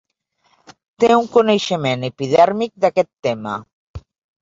Té un coneixement epidèrmic d'aquest tema.